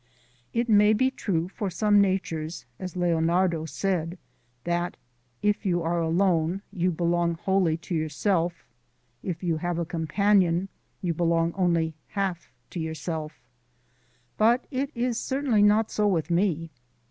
It may be true for some natures, as Leonardo said, that "if you are alone you belong wholly to yourself; if you have a companion, you belong only half to yourself"; but it is certainly not so with me.